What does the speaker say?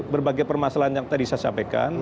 berbagai permasalahan yang tadi saya sampaikan